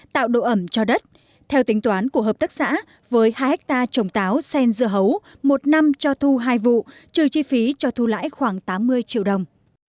tạo độ ẩm cho đất theo tính toán của hợp tác xã với hai hectare trồng táo sen dưa hấu một năm cho thu hai vụ trừ chi phí cho thu lãi khoảng tám mươi triệu đồng